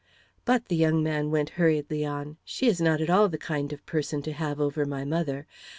"But," the young man went hurriedly on, "she is not at all the kind of person to have over my mother.